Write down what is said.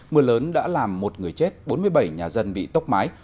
mưa lớn đã làm một người chết bốn mươi bảy nhà dân bị tốc mái